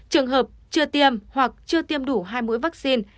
trường hợp chưa tiêm hoặc chưa tiêm đủ hai mũi vaccine